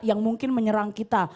yang mungkin menyerang kita